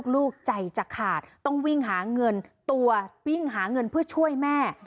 ลูกใจจะขาดต้องวิ่งหาเงินตัววิ่งหาเงินเพื่อช่วยแม่